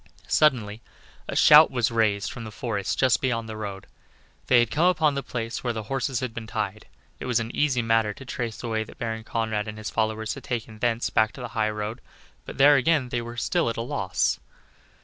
Suddenly a shout was raised from the forest just beyond the road; they had come upon the place where the horses had been tied. It was an easy matter to trace the way that Baron Conrad and his followers had taken thence back to the high road, but there again they were at a loss.